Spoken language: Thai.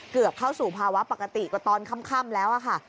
เกือบเข้าสู่ภาวะปกติกว่าตอนค่ำแล้วค่ะ